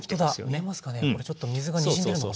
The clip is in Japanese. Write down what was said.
これちょっと水がにじんでるのが。